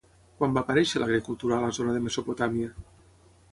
Quan va aparèixer l'agricultura a la zona de Mesopotàmia?